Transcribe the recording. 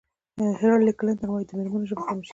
هېلري کلنټن وایي د مېرمنو ژبه خاموشي ده.